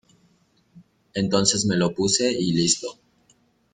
Entonces me lo puse y listo.